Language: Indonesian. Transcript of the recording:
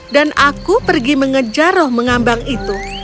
dan aku pergi mengejar roh mengambang itu